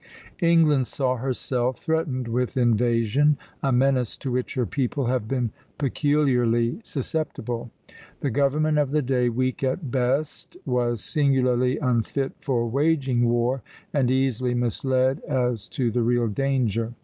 England saw herself threatened with invasion, a menace to which her people have been peculiarly susceptible. The government of the day, weak at best, was singularly unfit for waging war, and easily misled as to the real danger.